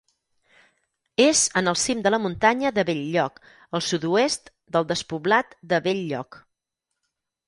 És en el cim de la muntanya de Bell-lloc, al sud-oest del despoblat de Bell-lloc.